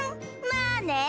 まあね。